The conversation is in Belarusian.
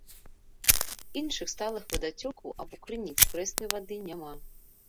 Іншых сталых вадацёкаў або крыніц прэснай вады няма.